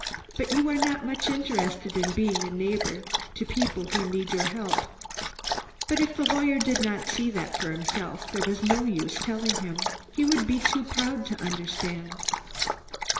But you are not much interested in being a neighbor to people who need your help." But if the lawyer did not see that for himself, there was no use telling him. He would be too proud to understand.